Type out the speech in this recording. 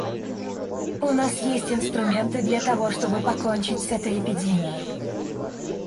У нас есть инструменты для того, чтобы покончить с этой эпидемией.